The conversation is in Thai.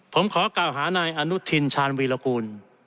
ผมขอกล่าวหานายอนุทินชาญวีรกูล